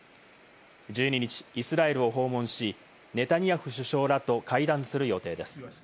１２日、イスラエルを訪問し、ネタニヤフ首相らと会談する予定です。